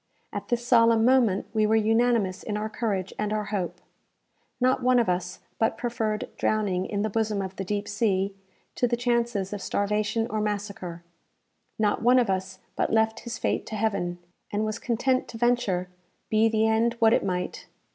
At this solemn moment, we were unanimous in our courage and our hope. Not one of us but preferred drowning in the bosom of the deep sea, to the chances of starvation or massacre. Not one of us but left his fate to Heaven, and was content to venture, be the end what it might!